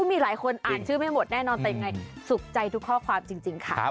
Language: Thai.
มีหลายคนอ่านชื่อไม่หมดแน่นอนแต่ยังไงสุขใจทุกข้อความจริงค่ะ